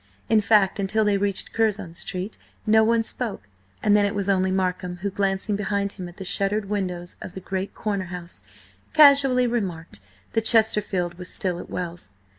In fact, until they reached Curzon Street no one spoke, and then it was only Markham, who, glancing behind him at the shuttered windows of the great corner house, casually remarked that Chesterfield was still at Wells.